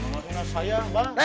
neng dengerin abah dulu neng